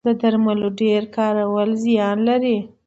د درملو ډیر کارول زیان لري